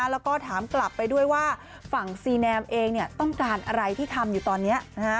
แล้วก็ถามกลับไปด้วยว่าฝั่งซีแนมเองต้องการอะไรที่ทำอยู่ตอนนี้